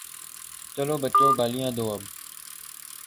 چلو بچو، گالیاں دو اب۔